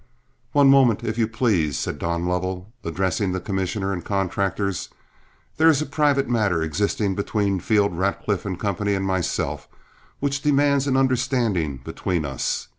"One moment, if you please," said Don Lovell, addressing the commissioner and contractors; "there is a private matter existing between Field, Radcliff & Co. and myself which demands an understanding between us.